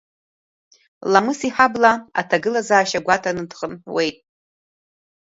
Ламыс иҳабла аҭагылазаашьа гәаҭаны дхынҳәуеит.